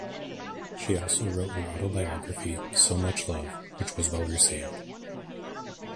She also wrote an autobiography, "So Much Love", which was well received.